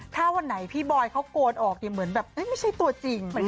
ถ้าวันไหนพี่บอยเขาโกนออกเนี่ยเหมือนแบบไม่ใช่ตัวจริง